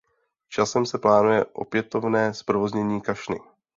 Časem se plánuje opětovné zprovoznění kašny.